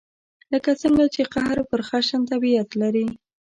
لکه څنګه چې قهر پر خشن طبعیت لري.